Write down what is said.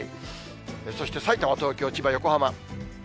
そしてさいたま、東京、千葉、横浜。